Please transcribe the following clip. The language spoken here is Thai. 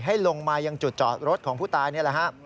ให้ลงมายังจุดจอดรถของผู้ตายนี่แหละฮะ